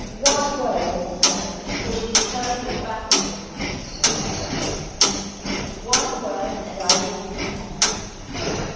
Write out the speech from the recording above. "One word, Lady Janet, before you turn your back on me," she said, firmly. "One word, and I will be content.